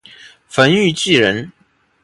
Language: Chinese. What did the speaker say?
冯誉骥人。